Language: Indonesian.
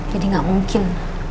jadi gak mungkin